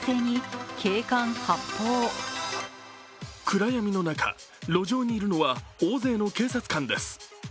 暗闇の中、路上にいるのは大勢の警察官です。